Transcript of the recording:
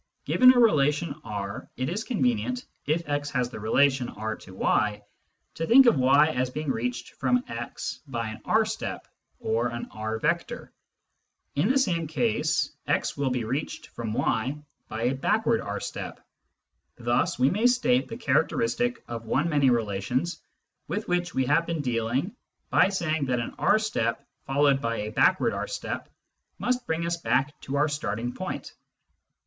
Given a relation R, it is convenient, if x has the relation R to y, to think of y as being reached from x by an " R step " or an " R vector." In the same case x will be reached from y by a " backward R step." Thus we may state the characteristic of one many relations with which we have been dealing by saying that an R step followed by a back ward R step must bring us back to our starting point.